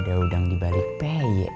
ada udang dibalik peyek